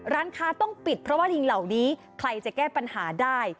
ร้านค้าต้องปิดเพราะว่าลิงเหล่านี้ใครจะแก้ปัญหาได้